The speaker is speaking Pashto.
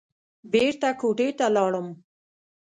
بېرته کوټې ته لاړم.